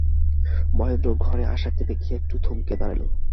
মহেন্দ্রও ঘরে আশাকে দেখিয়া একটু থমকিয়া দাঁড়াইল।